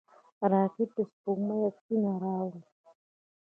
راکټ د سپوږمۍ عکسونه راوړل